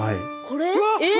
これ。